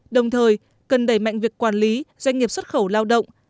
đồng thời cần đẩy mạnh việc quản lý doanh nghiệp xuất khẩu lao động